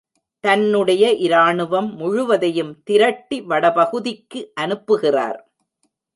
தன்னுடைய இராணுவம் முழுவதையும் திரட்டி வடபகுதிக்கு அனுப்புகிறார்.